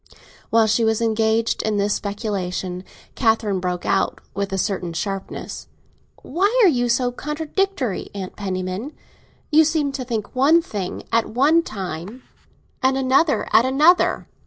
While she was engaged in this speculation, Catherine broke out, with a certain sharpness, "Why are you so contradictory, Aunt Penniman? You seem to think one thing at one time, and another at another.